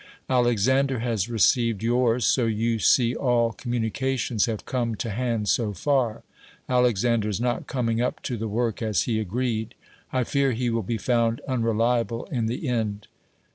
, Alexander has received yours, so you see all communications have come to hand, so far. Alexander is not , coming up to the work as he agreed. I fear he will be found unreliable in the end.